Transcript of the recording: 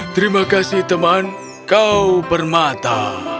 terima kasih teman kau permata